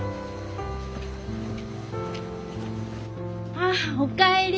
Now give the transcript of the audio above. ああお帰り！